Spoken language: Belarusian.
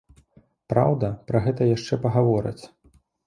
Праўда, пра гэта яшчэ пагавораць.